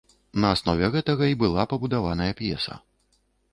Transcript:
На аснове гэтага і была пабудаваная п'еса.